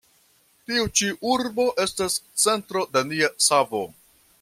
Tiu ĉi urbo estas centro de nia savo.